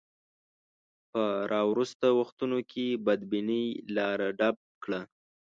په راوروسته وختونو کې بدبینۍ لاره ډب کړه.